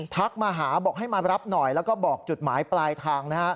มาหาบอกให้มารับหน่อยแล้วก็บอกจุดหมายปลายทาง